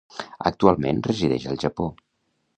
Actualment residix al Japó.